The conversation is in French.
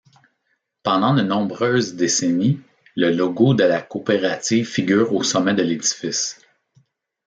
Pendant de nombreuses décennies, le logo de la coopérative figure au sommet de l'édifice.